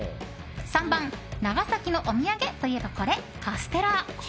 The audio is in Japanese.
３番、長崎のお土産といえばこれカステラ。